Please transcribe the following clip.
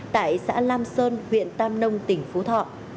tại xã lam sơn huyện tam nông tỉnh phú thọ